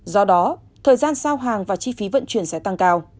do đó thời gian giao hàng và chi phí vận chuyển sẽ tăng cao